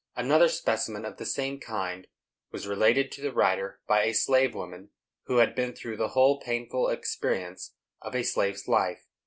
Another specimen of the same kind was related to the writer by a slave woman who had been through the whole painful experience of a slave's life.